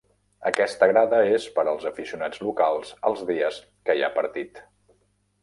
Aquesta grada és per als aficionats locals els dies que hi ha partit.